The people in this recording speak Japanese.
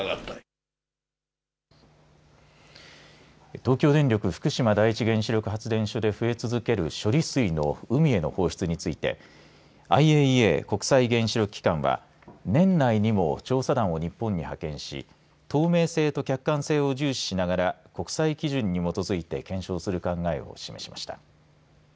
東京電力福島第一原子力発電所で増え続ける処理水の海への放出についてＩＡＥＡ、国際原子力機関は年内にも調査団を日本に派遣し透明性と客観性を重視しながら国際基準に基づいて検証する考えを示しました。